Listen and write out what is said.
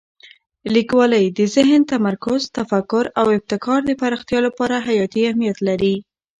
لیکوالی د ذهن تمرکز، تفکر او ابتکار د پراختیا لپاره حیاتي اهمیت لري.